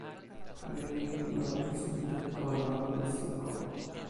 pali mi li ma "musi pi toki pona" lon ma Siko.